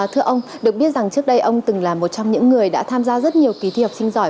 thưa ông được biết rằng trước đây ông từng là một trong những người đã tham gia rất nhiều kỳ thi học sinh giỏi